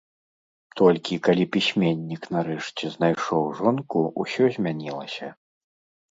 Толькі калі пісьменнік нарэшце знайшоў жонку, усё змянілася.